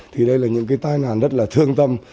thì đây là những cái tai nạn rất là thương tâm